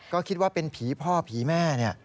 ก็คิดว่าเป็นผีพ่อผีแม่